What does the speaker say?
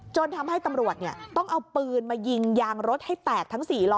ทำให้ตำรวจต้องเอาปืนมายิงยางรถให้แตกทั้ง๔ล้อ